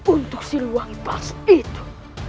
untuk siliwang dipaksu itu